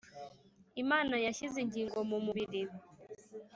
Imana yashyize ingingo mu mubiri